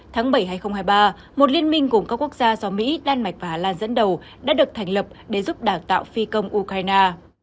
tháng bảy hai nghìn hai mươi ba một liên minh gồm các quốc gia do mỹ đan mạch và hà lan dẫn đầu đã được thành lập để giúp đào tạo phi công ukraine